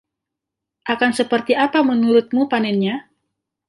Akan seperti apa menurutmu panennya?